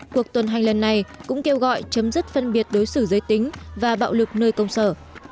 cuộc tuần hành lần này cũng kêu gọi chấm dứt phân biệt đối xử giới tính và bạo lực nơi công sở